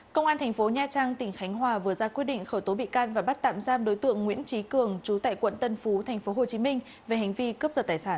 công an thành phố nha trang tỉnh khánh hòa vừa ra quyết định khởi tố bị can và bắt tạm giam đối tượng nguyễn trí cường chú tại quận tân phú thành phố hồ chí minh về hành vi cướp giật tài sản